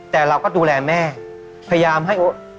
แต่เราก็ดูแลแม่พยายามกับท่านและทำให้สมเด็จย่าสมเด็จย่า